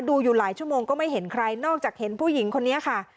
ดูอยู่หลายชั่วโมงก็ไม่เห็นใครนอกจากเห็นผู้หญิงคนนี้ค่ะ